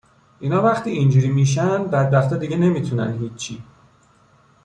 اینا وقتی اینجوری می شن، بدبختا دیگه نمی تونن هیچی